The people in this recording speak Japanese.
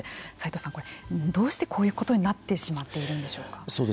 齋藤さん、これどうしてこういうことになってしまっているんでしょうか。